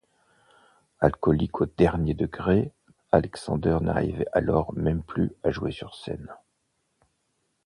Alcoolique au dernier degré, Alexander n'arrivait alors même plus à jouer sur scène.